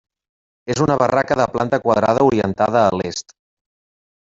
És una barraca de planta quadrada orientada a l'est.